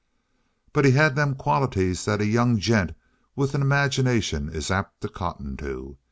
"But he had them qualities that a young gent with an imagination is apt to cotton to.